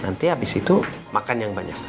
nanti abis itu makan yang banyak